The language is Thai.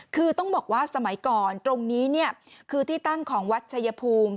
คือต้องบอกว่าสมัยก่อนตรงนี้คือที่ตั้งของวัดชายภูมิ